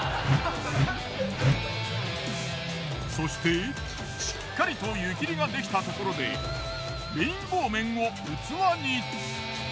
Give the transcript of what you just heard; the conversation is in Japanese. そしてしっかりと湯切りができたところでレインボー麺を器に。